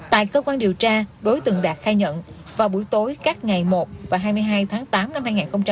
tại cơ quan điều tra đối tượng đạt khai nhận vào buổi tối các ngày một và hai mươi hai tháng tám năm hai nghìn hai mươi